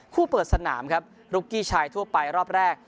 เปิดสนามครับรุกกี้ชายทั่วไปรอบแรก